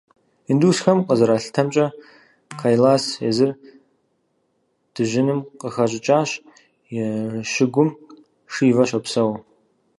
Индусхэм къызэралъытэмкӀэ, Кайлас езыр дыжьыным къыхэщӀыкӀащ, и щыгум Шивэ щопсэу.